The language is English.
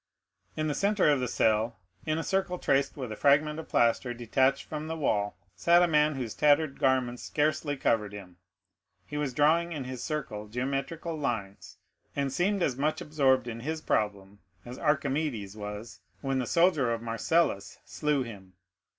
In the centre of the cell, in a circle traced with a fragment of plaster detached from the wall, sat a man whose tattered garments scarcely covered him. He was drawing in this circle geometrical lines, and seemed as much absorbed in his problem as Archimedes was when the soldier of Marcellus slew him.